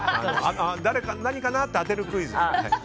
何かなって当てるクイズ。